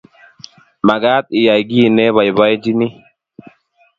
Magaat iyay kiiy neboiboichini